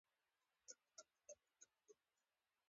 ګلداد وویل نور هغه چینی را ونه ننباسئ.